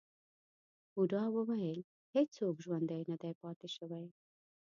بوډا وویل هیڅوک ژوندی نه دی پاتې شوی.